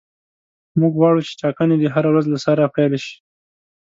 موږ غواړو چې ټاکنې دې هره ورځ له سره پیل شي.